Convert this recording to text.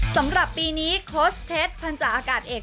สำหรับปีนี้โค้ชเพชรพันธาอากาศเอก